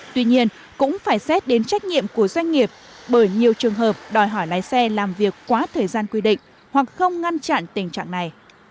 tuy nhiên cũng phải xét đến trách nhiệm của doanh nghiệp bởi nhiều trường hợp đòi hỏi lái xe làm việc quá thời gian quy định hoặc không ngăn chặn tình trạng này